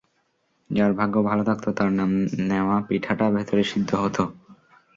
যার ভাগ্য ভালো থাকত, তার নাম নেওয়া পিঠাটা ভেতরে সিদ্ধ হতো।